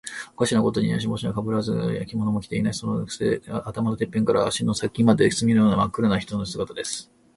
おかしなことには、帽子もかぶらず、着物も着ていない。そのくせ、頭のてっぺんから足の先まで、墨のようにまっ黒な人の姿です。